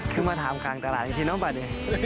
คือมาถามกลางตลาดจริงเนี่ย